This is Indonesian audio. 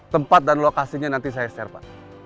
tempat dan lokasinya nanti saya share pak